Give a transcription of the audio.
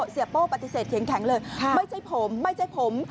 เสียโป้ปฏิเสธเสียงแข็งเลยไม่ใช่ผมไม่ใช่ผม